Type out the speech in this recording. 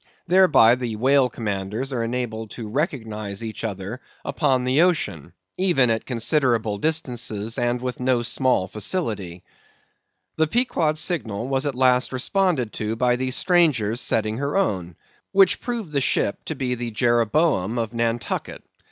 Thereby, the whale commanders are enabled to recognise each other upon the ocean, even at considerable distances and with no small facility. The Pequod's signal was at last responded to by the stranger's setting her own; which proved the ship to be the Jeroboam of Nantucket.